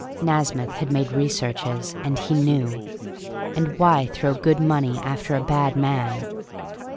Nasmyth had made researches, and he knew. And why throw good money after a bad man?